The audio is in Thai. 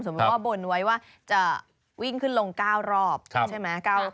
ว่าบนไว้ว่าจะวิ่งขึ้นลง๙รอบใช่ไหม